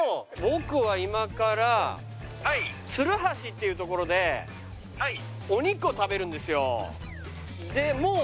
僕は今から鶴橋っていう所でお肉を食べるんですよ。